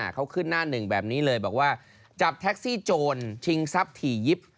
เขาขึ้นหน้าหนึ่งแบบนี้เลยบอกว่าจับแท็กซี่โจรชิงทรัพย์ถี่ยิบ